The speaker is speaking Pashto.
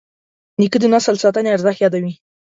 نیکه د نسل ساتنې ارزښت یادوي.